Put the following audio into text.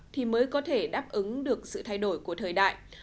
thì mới có thể đáp ứng được sự thay đổi của thời đại